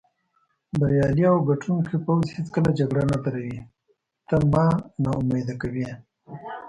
بریالی او ګټوونکی پوځ هېڅکله جګړه نه دروي، ته ما نا امیده کوې.